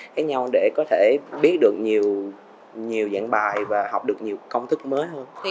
khác nhau để có thể biết được nhiều dạng bài và học được nhiều công thức mới hơn